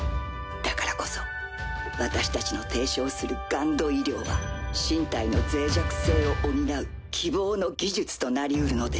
だからこそ私たちの提唱するＧＵＮＤ医療は身体の脆弱性を補う希望の技術となりうるのです。